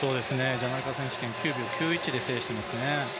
ジャマイカ選手権９秒９１で制してますね。